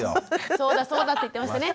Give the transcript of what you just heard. そうだそうだって言ってましたね。